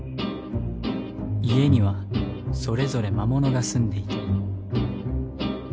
家にはそれぞれ魔物が住んでいて。